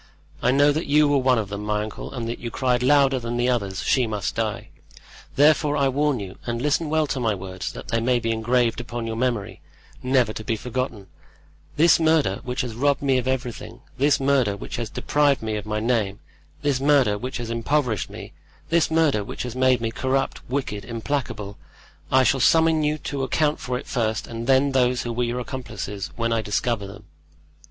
I know that you were one of them, my uncle, and that you cried louder than the others: 'She must die.' Therefore I warn you, and listen well to my words, that they may be engraved upon your memory, never to be forgotten: this murder, which has robbed me of everything—this murder, which has deprived me of my name—this murder, which has impoverished me—this murder, which has made me corrupt, wicked, implacable—I shall summon you to account for it first and then those who were your accomplices, when I discover them!"